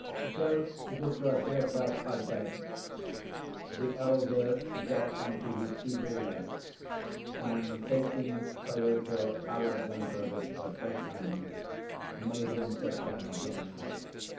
"Don't distress yourself, I beg." The elder got on to his feeble legs, and taking Pyotr Alexandrovitch by both hands, made him sit down again.